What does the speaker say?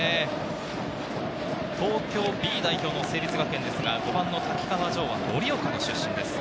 東京Ｂ代表の成立学園ですが、５番の瀧川穣、盛岡出身です。